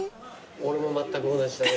俺もまったく同じだね。